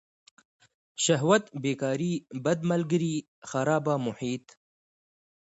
شهوت بیکاري بد ملگري خرابه محیط.